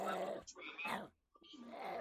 所以一期工程仅剩引渠进水闸需要修建。